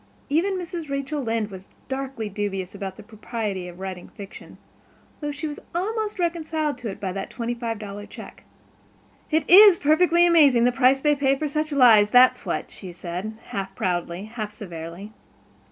Even Mrs. Rachel Lynde was darkly dubious about the propriety of writing fiction, though she was almost reconciled to it by that twenty five dollar check. "It is perfectly amazing, the price they pay for such lies, that's what," she said, half proudly, half severely.